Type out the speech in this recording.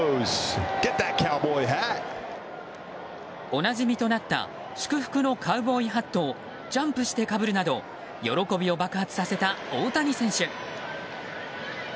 おなじみとなった祝福のカウボーイハットをジャンプしてかぶるなど喜びを爆発させた大谷選手。